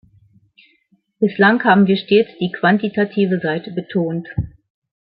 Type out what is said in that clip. Bislang haben wir stets die quantitative Seite betont.